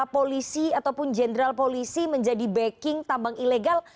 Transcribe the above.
polisi ataupun jenderal polisi menjadi backing tambang ilegal